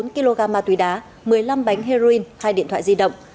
bốn kg ma túy đá một mươi năm bánh heroin hai điện thoại di động